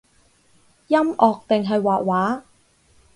音樂定係畫畫？